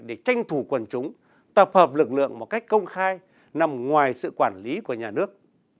để tranh thủ quần chúng tập hợp lực lượng một cách công khai nằm ngoài sự quản lý của nhà nước